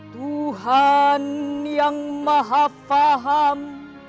tuhan yang maha faham